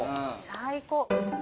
最高。